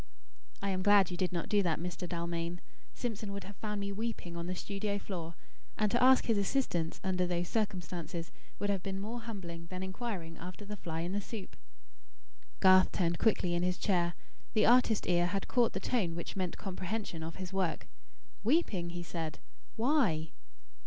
"I am glad you did not do that, Mr. Dalmain. Simpson would have found me weeping on the studio floor; and to ask his assistance under those circumstances, would have been more humbling than inquiring after the fly in the soup!" Garth turned quickly in his chair. The artist ear had caught the tone which meant comprehension of his work. "Weeping!" he said. "Why?"